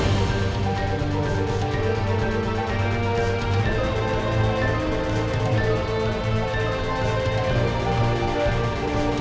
apa ada kaitannya dengan hilangnya sena